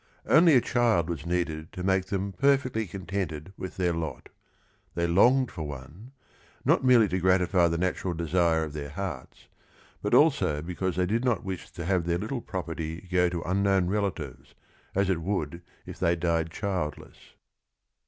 Only a child was needed to make them perfectly contented with their lot. They longed for one, not merely to gratify the natural desire of their hearts, but also because they did not wish to have their little property go to unknown relatives, as it would, if they died childless.